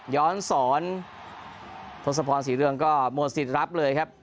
ย้อนสอนทศพรศรีเรืองก็หมดสิทธิ์รับเลยครับ